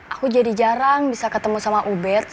aku jadi jarang bisa ketemu sama ubed